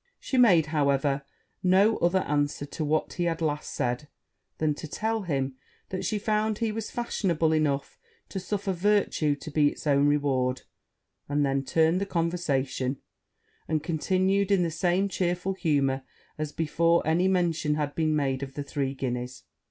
She made, however, no other answer to what he had last said, than to tell him she found he was fashionable enough to suffer virtue to be it's own reward; and then turned the conversation, and continued in the same chearful humour as before any mention had been made of the three guineas.